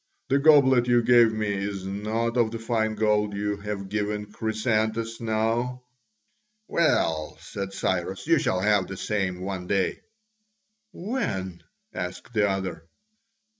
The goblet you gave me is not of the fine gold you have given Chrysantas now!" "Well," said Cyrus, "you shall have the same one day." "When?" asked the other.